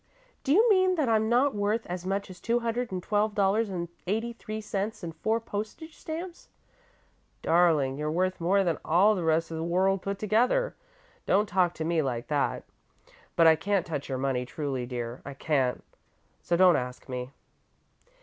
"Do you mean that I'm not worth as much as two hundred and twelve dollars and eighty three cents and four postage stamps?" "Darling, you're worth more than all the rest of the world put together. Don't talk to me like that. But I can't touch your money, truly, dear, I can't; so don't ask me."